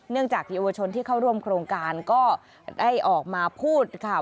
จากเยาวชนที่เข้าร่วมโครงการก็ได้ออกมาพูดค่ะ